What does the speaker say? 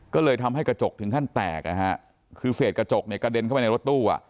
ก็เลยทำให้กระจกถึงขั้นแตกนะฮะคือเศษกระจกเนี่ยกระเด็นเข้าไปในรถตู้อ่ะ